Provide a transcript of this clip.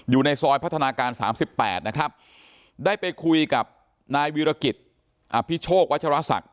อยู่ในซอยพัฒนาการ๓๘นะครับได้ไปคุยกับนายวิรกิจอภิโชควัชรศักดิ